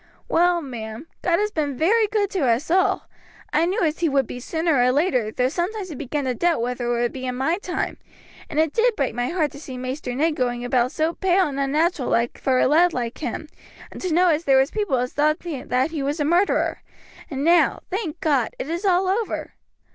"Well, ma'am, God has been very good to us all. I knew as he would be sooner or later, though sometimes I began to doubt whether it would be in my time, and it did break my heart to see Maister Ned going about so pale and unnatural like for a lad like him, and to know as there was people as thought that he was a murderer. And now, thank God, it is all over."